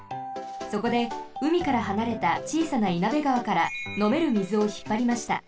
そこでうみからはなれたちいさな員弁川からのめるみずをひっぱりました。